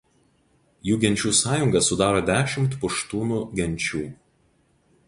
Jų genčių sąjungą sudaro dešimt puštūnų genčių.